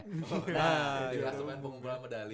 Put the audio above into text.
jadi langsung main pengembara medali